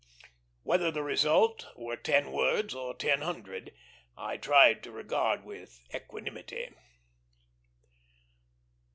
Whether the result were ten words or ten hundred I tried to regard With equanimity.